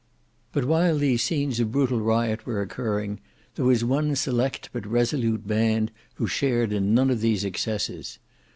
But while these scenes of brutal riot were occurring there was one select but resolute band who shared in none of these excesses.